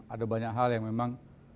ada banyak hal yang memang